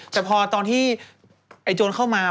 แต่พอตอนที่โจ้นเข้ามา